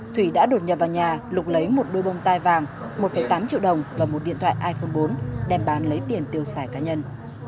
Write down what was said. thủy đã đột nhập vào nhà lục lấy một đôi bông tai vàng một tám triệu đồng và một điện thoại iphone bốn đem bán lấy tiền tiêu xài cá nhân